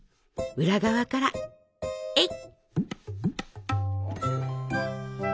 裏側からえい！